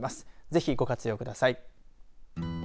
ぜひ、ご活用ください。